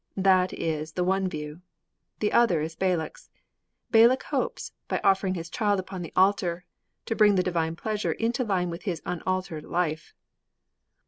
That is the one view. The other is Balak's. Balak hopes, by offering his child upon the altar, to bring the divine pleasure into line with his unaltered life.